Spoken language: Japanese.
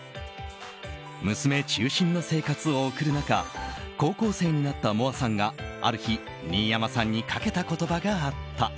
娘中心の生活を送る中高校生になった、もあさんがある日、新山さんにかけた言葉があった。